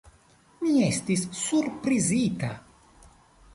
Mi estis surprizita.